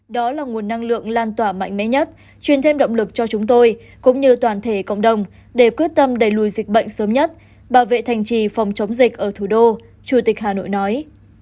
đó là nguồn năng lượng lan tỏa mạnh mẽ nhất truyền thêm động lực cho chúng tôi cũng như toàn thể cộng đồng để quyết tâm đẩy lùi dịch bệnh sớm nhất bảo vệ thành trì phòng chống dịch ở thủ đô chủ tịch hà nội nói